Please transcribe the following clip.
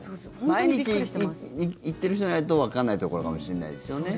毎日行ってる人じゃないとわからないところかもしれないですよね。